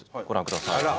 ご覧ください。